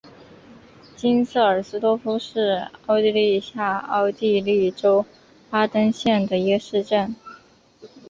金瑟尔斯多夫是奥地利下奥地利州巴登县的一个市镇。